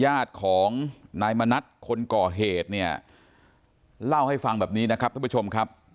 ญาติของนายมณัฐคนก่อเหตุเนี่ยเล่าให้ฟังแบบนี้นะครับท่านผู้ชมครับ